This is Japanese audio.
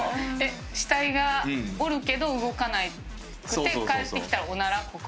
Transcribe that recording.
死体がおるけど動かなくて帰ってきたらオナラこく？